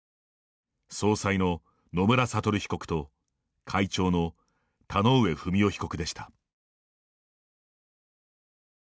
総裁の野村悟被告と会長の田上不美夫被告でした。